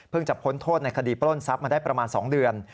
จะพ้นโทษในคดีปล้นทรัพย์มาได้ประมาณ๒เดือน